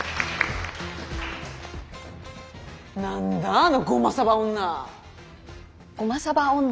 何だあのごまサバ女！